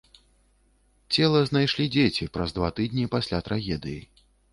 Цела знайшлі дзеці праз два тыдні пасля трагедыі.